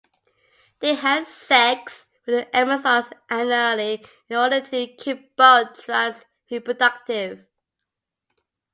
They had sex with the Amazons annually in order to keep both tribes reproductive.